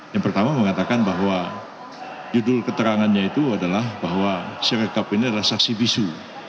yang pertama mengatakan bahwa judul keterangannya itu adalah bahwa si rekap ini adalah saksi bisu